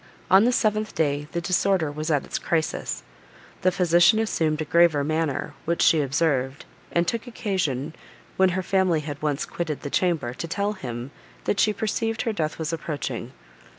On the seventh day, the disorder was at its crisis. The physician assumed a graver manner, which she observed, and took occasion, when her family had once quitted the chamber, to tell him, that she perceived her death was approaching.